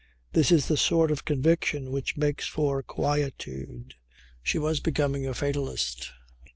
This is the sort of conviction which makes for quietude. She was becoming a fatalist.